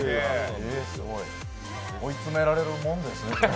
追い詰められるもんですねぇ。